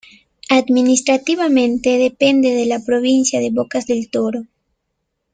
Administrativamente depende de la Provincia de Bocas del Toro.